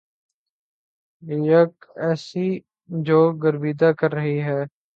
یک ایسی جو گرویدہ کر رہی ہے